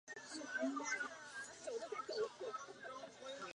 众多的历史景观使得莱伊成为一个著名的旅游目的地。